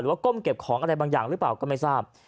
ก้มเก็บของอะไรบางอย่างหรือเปล่าก็ไม่ทราบ